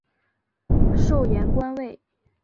授盐官尉。